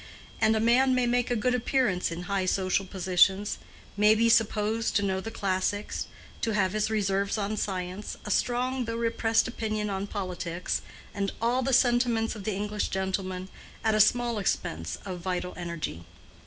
And a man may make a good appearance in high social positions—may be supposed to know the classics, to have his reserves on science, a strong though repressed opinion on politics, and all the sentiments of the English gentleman, at a small expense of vital energy.